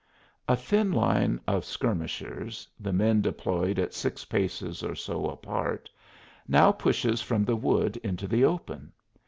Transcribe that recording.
A thin line of skirmishers, the men deployed at six paces or so apart, now pushes from the wood into the open.